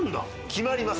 決まります